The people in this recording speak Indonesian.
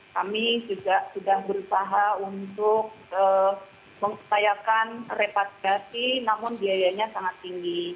kami sudah berusaha untuk mengupayakan repatriasi namun biayanya sangat tinggi